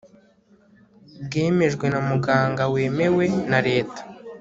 bwemejwe na muganga wemewe na leta